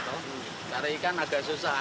karena ikan agak susah